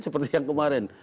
seperti yang kemarin